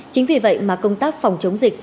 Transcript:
chính vì vậy mà công tác phòng chống dịch